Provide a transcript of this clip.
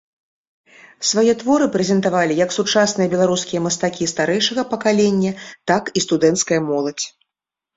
Свае творы прэзентавалі як сучасныя беларускія мастакі старэйшага пакалення, так і студэнцкая моладзь.